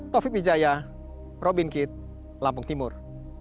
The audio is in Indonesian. taufik wijaya robin kit lampung timur